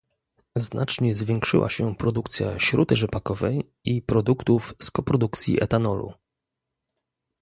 Znacznie zwiększyła się produkcja śruty rzepakowej i produktów z koprodukcji etanolu